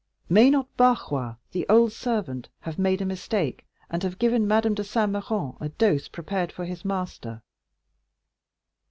"May not Barrois, the old servant, have made a mistake, and have given Madame de Saint Méran a dose prepared for his master?"